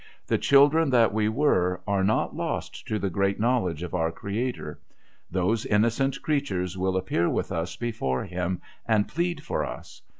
The children that we were, are not lost to the great knowledge of our Creator. Those innocent creatures will appear with us before Him, and plead for us.